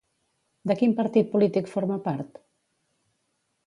De quin partit polític forma part?